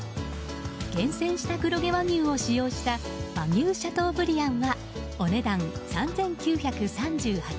厳選した黒毛和牛を使用した和牛シャトーブリアンはお値段、３９３８円。